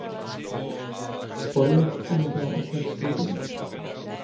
Spolujezdce mu dělal otec Rudi.